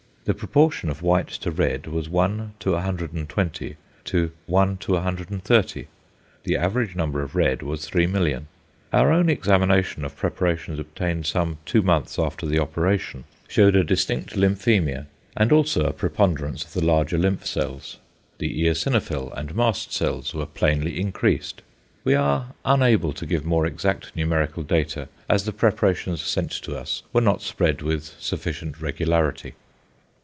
The proportion of white to red was 1:120 to 1:130, the average number of red was 3,000,000. Our own examination of preparations obtained some two months after the operation, shewed a distinct lymphæmia, and also a preponderance of the larger lymph cells. The eosinophil and mast cells were plainly increased. We are unable to give more exact numerical data, as the preparations sent to us were not spread with sufficient regularity.